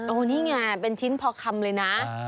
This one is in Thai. นี่ไงเป็นชิ้นพอคำเลยนะ